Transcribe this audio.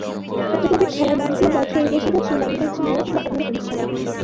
চট্টগ্রামের খেলার মাঠগুলো বছরের বেশির ভাগ সময় ব্যবহৃত হচ্ছে মেলা কিংবা অন্যান্য অনুষ্ঠানে।